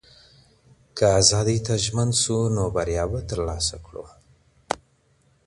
که ازادۍ ته ژمن سو، نو بریا به ترلاسه کړو.